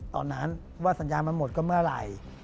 ตอนนั้นว่าสัญญามันหมดก็เมื่อไหร่